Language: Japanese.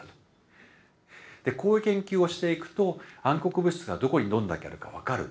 こういう研究をしていくと暗黒物質がどこにどんだけあるか分かる。